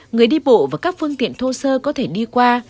người đi bộ và các phương tiện thô sơ có thể đi qua